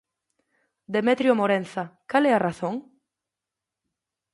Demetrio Morenza, cal é a razón?